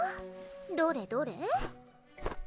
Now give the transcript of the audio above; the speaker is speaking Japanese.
どれどれ？